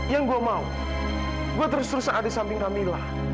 yang gue mau gue terus terusan ada di samping camilla